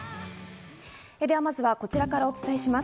では、まずはこちらからお伝えします。